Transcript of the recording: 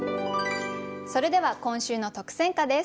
それでは今週の特選歌です。